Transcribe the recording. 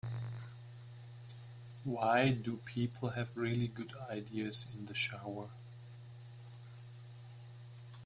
Why do people have really good ideas in the shower?